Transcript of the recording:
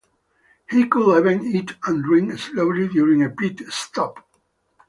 He could even eat and drink slowly during a pit stop.